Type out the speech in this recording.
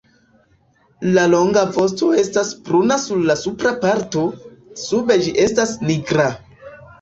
La longa vosto estas bruna sur la supra parto, sube ĝi estas nigra.